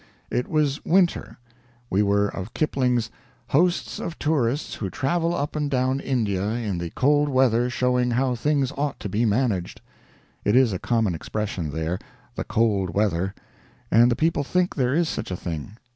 It was winter. We were of Kipling's "hosts of tourists who travel up and down India in the cold weather showing how things ought to be managed." It is a common expression there, "the cold weather," and the people think there is such a thing.